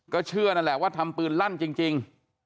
เชื่อนั่นแหละว่าทำปืนลั่นจริง